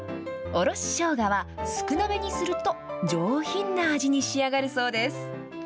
おろししょうがは、少なめにすると上品な味に仕上がるそうです。